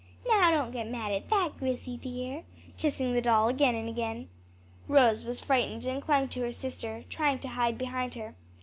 Now don't get mad at that, Grissy, dear," kissing the doll again and again. Rose was frightened and clung to her sister, trying to hide behind her.